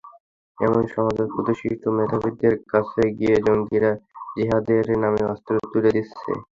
এখন সমাজের প্রতিষ্ঠিত মেধাবীদের কাছে গিয়ে জঙ্গিরা জিহাদের নামে অস্ত্র তুলে দিচ্ছে।